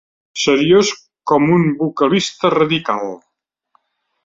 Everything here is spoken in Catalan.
Seriós com un vocalista radical.